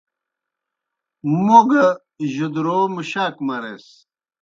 مو (مُوڙوْ) گہ جُدرو مُشاک مریس